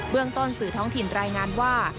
เรื่องต้นสื่อท้องถิ่นรายงานว่า